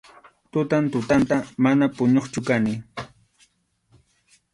Tutan tutanta, mana puñuqchu kani.